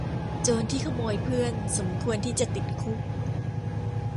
โจรที่ขโมยเพื่อนสมควรที่จะติดคุก